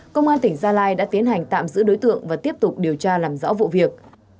công an tỉnh gia lai đã tiến hành tạm giữ đối tượng và tiếp tục điều tra làm rõ vụ việc